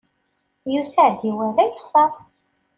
Yusa-d, iwala, yexṣer.